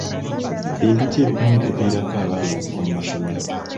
Bintu ki ebimu ebiviirako abaana okuva mu masomero?